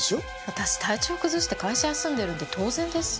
私体調崩して会社休んでるんで当然です。